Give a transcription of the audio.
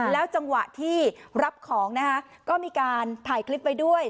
แล้วจังหวะที่รับของนะคะก็มีการถ่ายคลิปไว้ด้วย